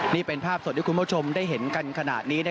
นี่เป็นภาพสดที่คุณผู้ชมได้เห็นกันขนาดนี้